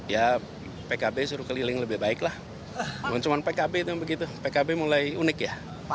ya pkb suruh keliling lebih baik lah bukan cuma pkb itu begitu pkb mulai unik ya